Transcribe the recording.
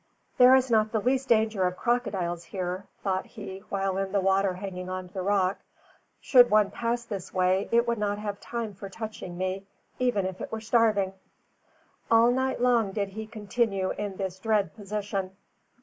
"There is not the least danger of crocodiles here," thought he while in the water hanging on to the rock. "Should one pass this way, it would not have time for touching me, even if it were starving." All night long did he continue in this dread position.